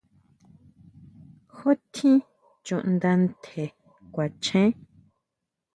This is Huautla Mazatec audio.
¿Jutjín chuʼnda ntje kuachen?